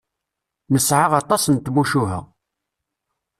Nesɛa aṭas n tmucuha.